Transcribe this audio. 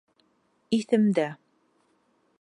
Иҫемдә.